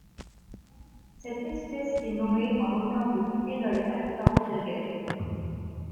Cette espèce est nommée en l'honneur de Eloy Alfaro Delgado.